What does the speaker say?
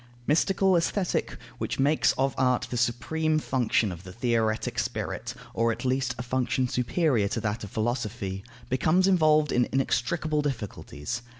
Mystical Aesthetic, which makes of art the supreme function of the theoretic spirit, or, at least, a function superior to that of philosophy, becomes involved in inextricable difficulties.